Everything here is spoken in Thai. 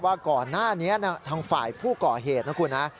ว่าก่อนหน้านี้ทางฝ่ายผู้ก่อเหตุนะคุณนะ